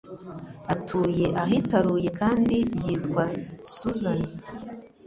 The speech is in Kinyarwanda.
Atuye ahitaruye kandi yitwa Susan